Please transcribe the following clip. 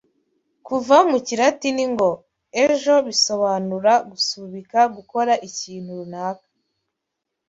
Kuva mu kilatini ngo "ejo", bisobanura gusubika gukora ikintu runaka